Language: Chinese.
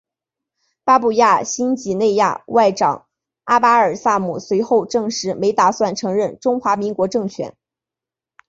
巴布亚新几内亚外长阿巴尔萨姆随后证实没打算承认中华民国政权。